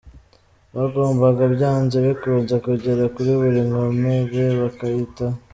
Bagombaga byanze bikunze kugera kuri buri nkomere bakayitaho.